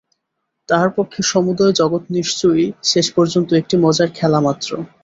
তাঁহার পক্ষে সমুদয় জগৎ নিশ্চয়ই শেষ পর্যন্ত একটি মজার খেলামাত্র।